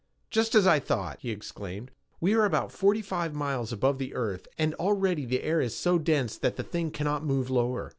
"Just as I thought," he exclaimed. "We are about forty five miles above the earth and already the air is so dense that the thing cannot move lower.